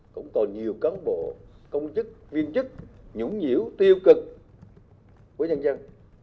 cũng còn nhiều cán bộ công chức viên chức nhũng nhỉu tiêu cực của nhân dân